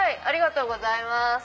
ありがとうございます。